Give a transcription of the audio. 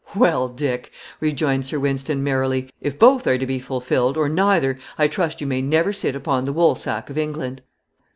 "Well, Dick," rejoined Sir Wynston, merrily, "if both are to be fulfilled, or neither, I trust you may never sit upon the woolsack of England."